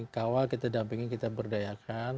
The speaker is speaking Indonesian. kawal kita dampingi kita berdayakan